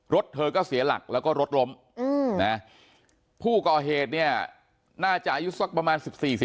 รถเธอก็เสียหลักแล้วก็รถล้มนะผู้ก่อเหตุเนี่ยน่าจะอายุสักประมาณ๑๔๑๕